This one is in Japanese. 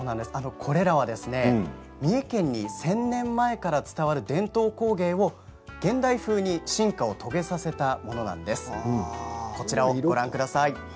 三重県に１０００年前から伝わる伝統工芸を現代風に進化を遂げさせたものです。